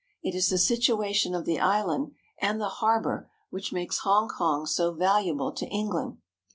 It is the situation of the island and the harbor which makes Hongkong so valu able to England.